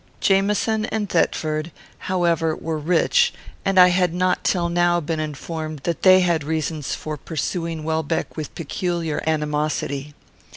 Jamieson and Thetford, however, were rich, and I had not till now been informed that they had reasons for pursuing Welbeck with peculiar animosity.